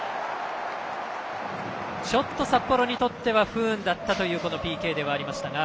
ちょっと札幌にとっては不運だったというＰＫでしたが。